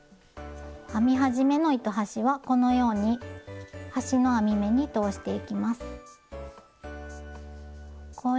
編み始めの糸端はこのように端の編み目に通していきます。